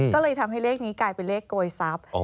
ก็เลยทำให้เลขนี้กลายเป็นเลขโกยทรัพย์